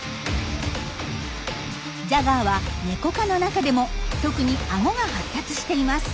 ジャガーはネコ科の中でも特にアゴが発達しています。